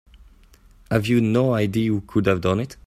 Have you no idea who could have done it?